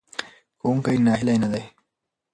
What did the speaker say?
ښوونکی ناهیلی نه دی.